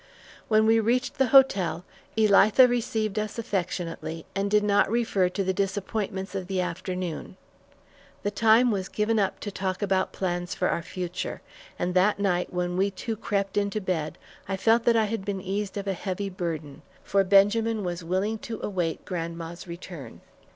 When we reached the hotel, Elitha received us affectionately, and did not refer to the disappointments of the afternoon. The time was given up to talk about plans for our future, and that night when we two crept into bed, I felt that I had been eased of a heavy burden, for Benjamin was willing to await grandma's return.